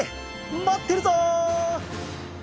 まってるぞ！